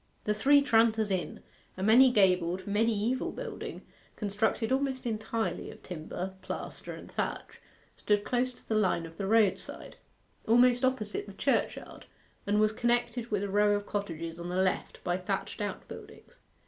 The Three Tranters Inn, a many gabled, mediaeval building, constructed almost entirely of timber, plaster, and thatch, stood close to the line of the roadside, almost opposite the churchyard, and was connected with a row of cottages on the left by thatched outbuildings.